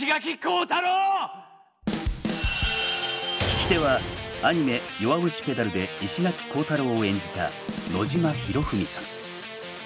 聞き手はアニメ「弱虫ペダル」で石垣光太郎を演じた野島裕史さん。